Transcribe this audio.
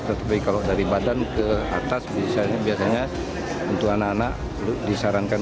tetapi kalau dari badan ke atas biasanya untuk anak anak disarankan